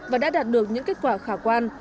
và đã đạt được những kết quả khả quan